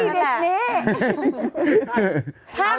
พี่เด็กเนธ